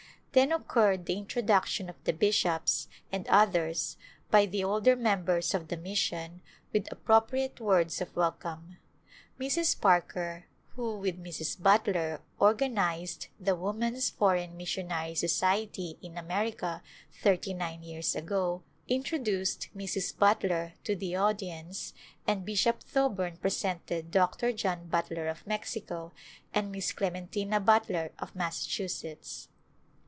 Then occurred the introduction of the bishops and others by the older members of the mission with appropriate words of welcome. Mrs. Parker, who with Mrs. Butler organized the Woman's Foreign Missionary Society in America thirty nine years ago, introduced Mrs. Butler to the audience, and Bishop Thoburn presented Dr. John Butler of Mexico, and Miss Clementina Butler of Massachusetts.